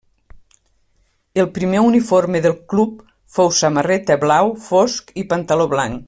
El primer uniforme del club fou samarreta blau fosc i pantaló blanc.